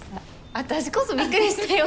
私こそびっくりしたよ